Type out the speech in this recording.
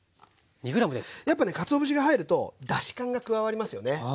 やっぱねかつお節が入るとだし感が加わりますよね。